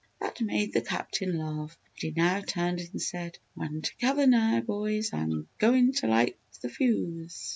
That made the Captain laugh, and he now turned and said: "Run to cover now, boys! I'm goin' to light th' fuse!"